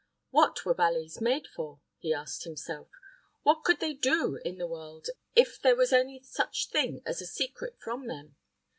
What were valets made for? he asked himself. What could they do in the world if there was any such thing as a secret from them?